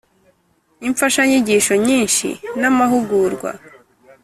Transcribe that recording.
imfashanyigisho nyinshi n amahugurwa